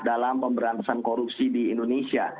dalam pemberantasan korupsi di indonesia